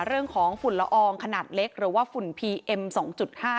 ฝุ่นละอองขนาดเล็กหรือว่าฝุ่นพีเอ็มสองจุดห้า